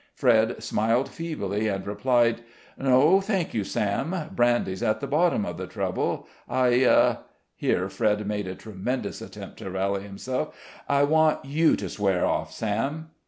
Fred smiled feebly, and replied, "No, thank you, Sam; brandy's at the bottom of the trouble. I" here Fred made a tremendous attempt to rally himself "I want you to swear off, Sam."